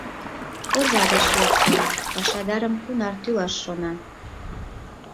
Оза деч йодса: пашадарым кунар тӱлаш шона.